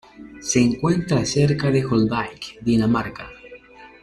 Se encuentra cerca de Holbæk, Dinamarca.